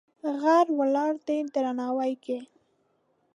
غر ولاړ دی درناوی کې.